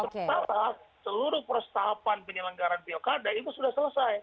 sementara seluruh persahapan penyelenggaran pilkada itu sudah selesai